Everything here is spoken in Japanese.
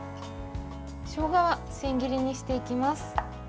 しょうがは千切りにしていきます。